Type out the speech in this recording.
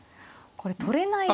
これ取れない。